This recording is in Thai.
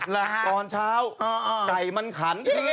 และตอนเช้าไก่มันขัน